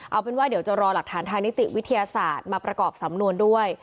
เอาเป็นว่าเดี๋ยวจะรอหลักฐานทางนิติวิทยาศาสตร์มาประกอบสำนวนด้วย